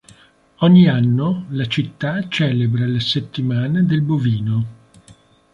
Ogni anno la città celebra la Settimana del Bovino.